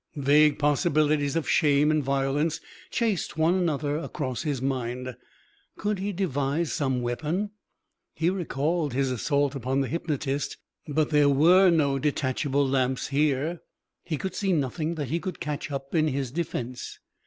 Vague possibilities of shame and violence chased one another across his mind. Could he devise some weapon? He recalled his assault upon the hypnotist, but there were no detachable lamps here. He could see nothing that he could catch up in his defence.